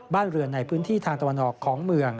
บ้านเรือนในพื้นที่ทางตะวันออกของเมือง